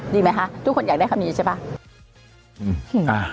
ดีไหมคะทุกคนอยากได้คำนี้ใช่ป่ะ